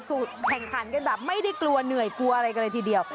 แข่งขันกันแบบไม่ได้กลัวเหนื่อยกลัวอะไรกันเลยทีเดียว